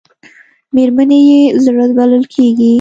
مېرمنې یې زړه بلل کېږي .